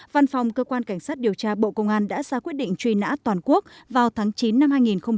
văn phòng cơ quan cảnh sát điều tra bộ công an đã ra quyết định truy nã toàn quốc vào tháng chín năm hai nghìn hai mươi